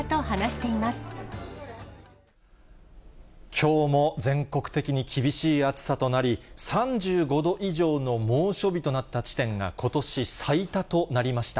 きょうも全国的に厳しい暑さとなり、３５度以上の猛暑日となった地点がことし最多となりました。